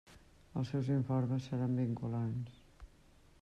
Els seus informes seran vinculants.